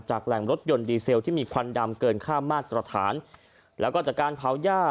แหล่งรถยนต์ดีเซลที่มีควันดำเกินค่ามาตรฐานแล้วก็จากการเผาย่า